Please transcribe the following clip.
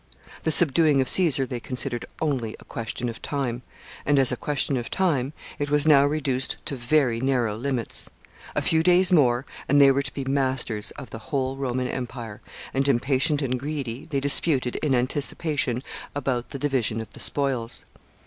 The subduing of Caesar they considered only a question of time; and, as a question of time, it was now reduced to very narrow limits. A few days more, and they were to be masters of the whole Roman empire, and, impatient and greedy, they disputed in anticipation about the division of the spoils.